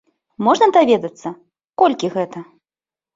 Можна даведацца, колькі гэта?